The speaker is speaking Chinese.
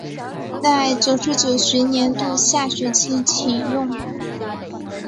在九十九学年度下学期启用。